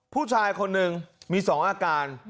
ผู้ชายคนหนึ่งมี๒อาการ